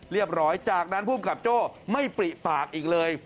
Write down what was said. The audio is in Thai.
ร้อยจากนั้นภูมิกับโจ้ไม่ปริปากอีกเลย